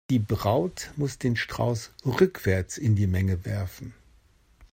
Die Braut muss den Strauß rückwärts in die Menge werfen.